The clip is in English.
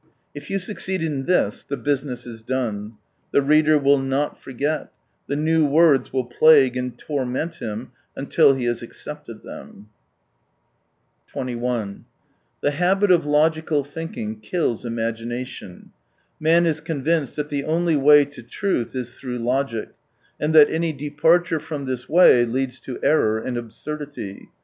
If you suc ceed in this, the business is done. The reader will not forget — the new words will plague and torment him until he has accepted them. 36 21 The habit of logical thinking kills imagina tion. Man is convinced that the only way to truth is through logic, and that any departure from this way leads to error arid absurdity.